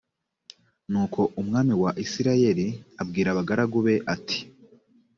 nuko umwami wa isirayeli abwira abagaragu be ati